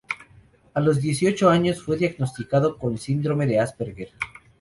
A los dieciocho años fue diagnosticado con síndrome de Asperger.